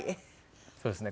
そうですね。